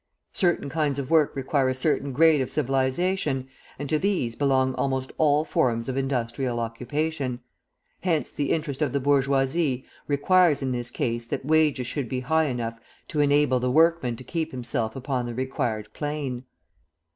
Certain kinds of work require a certain grade of civilisation, and to these belong almost all forms of industrial occupation; hence the interest of the bourgeoisie requires in this case that wages should be high enough to enable the workman to keep himself upon the required plane.